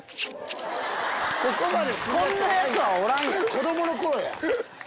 子供の頃や。